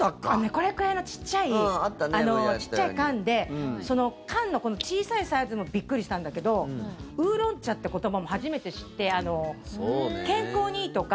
これくらいのちっちゃい缶で缶の小さいサイズもびっくりしたんだけど烏龍茶って言葉も初めて知って健康にいいとか。